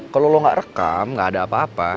kalau lo gak rekam gak ada apa apa